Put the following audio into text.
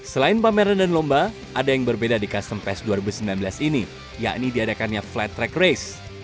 selain pameran dan lomba ada yang berbeda di custom fest dua ribu sembilan belas ini yakni diadakannya flight track race